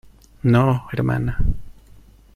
no, hermana.